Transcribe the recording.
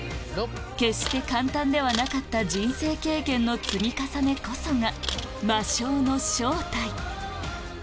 決して簡単ではなかった人生経験の積み重ねこそが魔性の正体